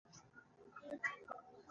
په پاک نیت کښېنه، الله درسره دی.